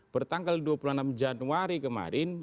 bertanggal dua puluh enam januari kemarin